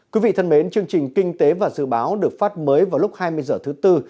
quý vị thân mến chương trình kinh tế và dự báo được phát mới vào lúc hai mươi h thứ tư